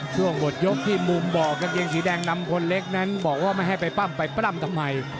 ช่วงหมดยกที่มุมบอกกางเกงสีแดงนำคนเล็กนั้นบอกว่าไม่ให้ไปปั้มไปปล้ำทำไม